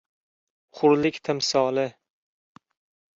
Hurlik timsoli